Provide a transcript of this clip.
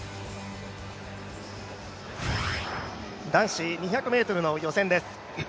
男子２００ｍの予選です。